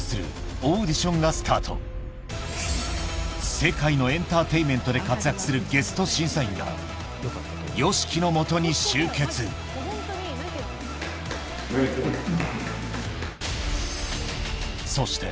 世界のエンターテインメントで活躍するゲスト審査員がＹＯＳＨＩＫＩの下に集結そして・ありがとうございます